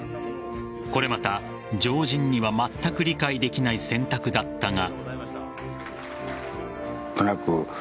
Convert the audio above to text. これまた常人にはまったく理解できない選択だったが。